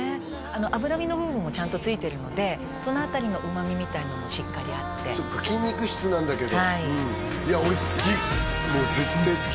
脂身の部分もちゃんとついてるのでその辺りの旨味みたいのもしっかりあってそっか筋肉質なんだけどうんはいいや俺好きもう絶対好き